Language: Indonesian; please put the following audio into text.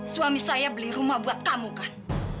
suami saya beli rumah buat kamu kan